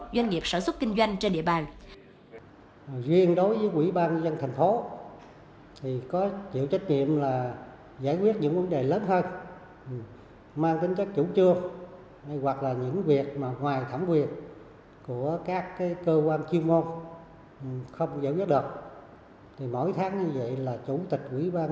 doanh nghiệp sở xuất kinh doanh trên địa bàn